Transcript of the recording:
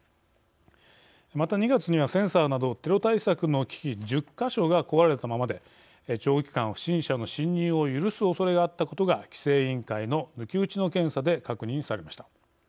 また２月にはセンサーなどテロ対策の機器１０か所が壊れたままで長期間不審者の侵入を許すおそれがあったことが規制委員会の抜き打ちの検査で確認されました。